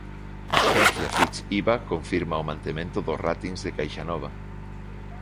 A axencia Fitch-Iba confirma o mantemento dos 'ratings' de Caixanova